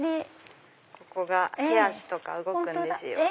ここが手足とか動くんですよ。